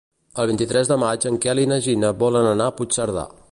El vint-i-tres de maig en Quel i na Gina volen anar a Puigcerdà.